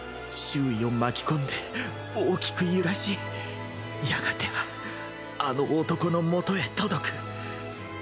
周囲を巻き込んで大きく揺らしやがてはあの男の元へ届く。